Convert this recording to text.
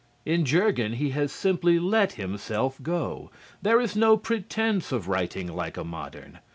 In "Jurgen" he has simply let himself go. There is no pretense of writing like a modern.